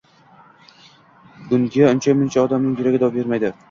Bunga uncha-muncha odamning yuragi dov bermaydi.